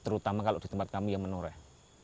terutama kalau di tempat kami yang menoreh